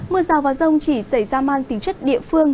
mưa rào và rông chỉ xảy ra mang tính chất địa phương